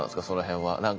その辺は。